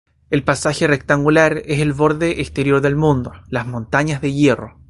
El pasaje rectangular es el borde exterior del mundo, las Montañas de Hierro.